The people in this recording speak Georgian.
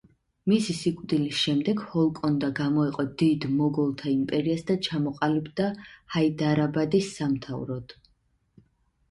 მისი სიკვდილის შემდეგ ჰოლკონდა გამოეყო დიდ მოგოლთა იმპერიას და ჩამოყალიბდა ჰაიდარაბადის სამთავროდ.